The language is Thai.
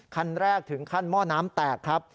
คันแรกถึงขั้นหม้อน้ำแตกครับ